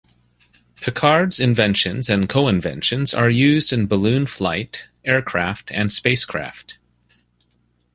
Piccard's inventions and co-inventions are used in balloon flight, aircraft and spacecraft.